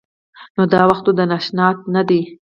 نو دا وخت خو د ناشتا نه دی.